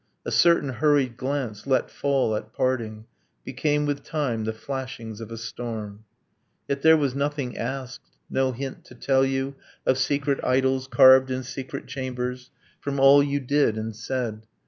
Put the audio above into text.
A certain hurried glance, let fall at parting, Became, with time, the flashings of a storm. Yet, there was nothing asked, no hint to tell you Of secret idols carved in secret chambers From all you did and said.